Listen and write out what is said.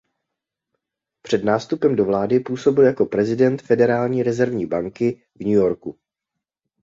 Před nástupem do vlády působil jako prezident Federální rezervní banky v New Yorku.